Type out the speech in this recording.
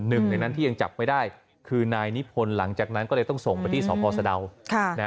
หนึ่งในนั้นที่ยังจับไว้ได้คือนายนิพนธ์หลังจากนั้นก็เลยต้องส่งไปที่สพสะดาว